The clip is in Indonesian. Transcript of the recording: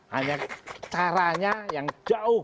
hanya caranya yang jauh